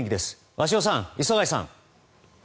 鷲尾さん、磯貝さん。